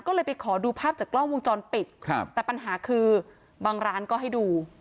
ก็เลยไปขอดูภาพจากกล้องวงจรปิดครับแต่ปัญหาคือบางร้านก็ให้ดู